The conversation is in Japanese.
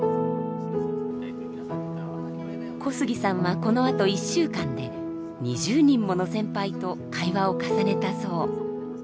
小杉さんはこのあと１週間で２０人もの先輩と会話を重ねたそう。